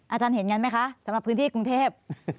อาจารย์เห็นกันไหมคะสำหรับพื้นที่กรุงเทพ